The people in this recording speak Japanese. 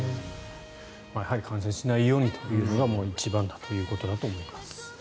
やはり感染しないようにというのが一番だということだと思います。